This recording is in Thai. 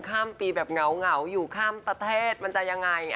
ข้ามปีแบบเหงาอยู่ข้ามประเทศมันจะยังไง